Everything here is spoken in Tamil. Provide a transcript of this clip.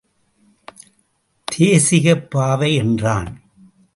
தேசிகப் பாவை என்றான்.